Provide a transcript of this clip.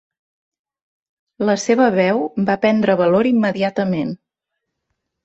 La seva veu va prendre valor immediatament.